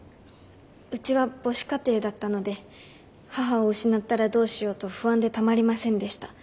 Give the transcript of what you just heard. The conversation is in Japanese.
うちは母子家庭だったので母を失ったらどうしようと不安でたまりませんでした。